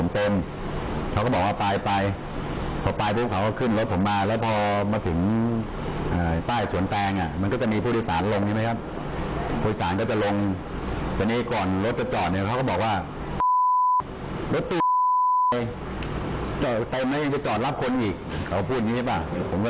เขาพูดอย่างนี้ป่ะผมก็เลยเกิดอารมณ์โมโห